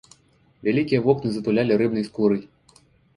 Вялікія вокны затулялі рыбнай скурай.